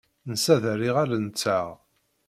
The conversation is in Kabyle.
Nessader iɣallen-nteɣ.